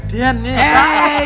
pengen belajar ngedian ya